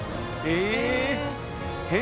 え！